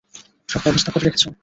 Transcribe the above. সব ব্যবস্থা করে রেখেছো?